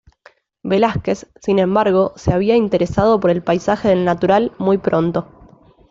Velázquez, sin embargo, se había interesado por el paisaje del natural muy pronto.